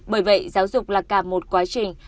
bởi vậy giáo dục là cả một quá trình